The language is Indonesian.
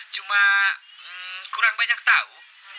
cuma kurang banyak tahu